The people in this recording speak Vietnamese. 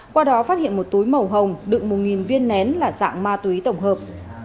qua đó phát hiện một túi màu hồng đựng một viên nén là dạng ma túy tổng hợp